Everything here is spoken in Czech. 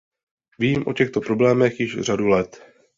Vím o těchto problémech již řadu let.